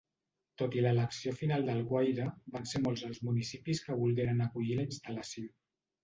Tot i l'elecció final d'Alguaire, van ser molts els municipis que volgueren acollir la instal·lació.